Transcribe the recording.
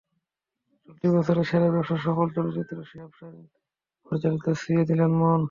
চলতি বছরের সেরা ব্যবসা সফল চলচ্চিত্র শিহাব শাহীন পরিচালিত ছুঁয়ে দিলে মন।